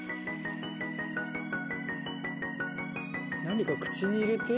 何か口に入れて。